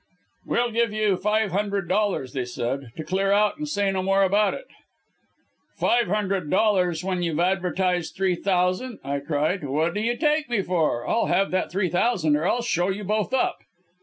"'We'll give you five hundred dollars,' they said, 'to clear out and say no more about it.' "'Five hundred dollars when you've advertised three thousand,' I cried. 'What do you take me for? I'll have that three thousand or I'll show you both up.'